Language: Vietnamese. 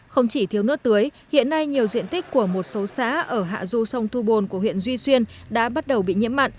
không chỉ thiếu nước tưới hiện nay nhiều diện tích của một số xã ở hạ du sông thu bồn của huyện duy xuyên đã bắt đầu bị nhiễm mặn